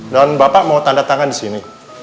dan bapak mau tanda tangan di sini